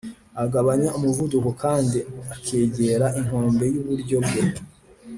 agabanya umuvuduko kandi akegera inkombe y' iburyo bwe